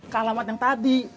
ke alamat yang tadi